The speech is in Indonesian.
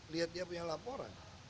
lihat dia punya laporan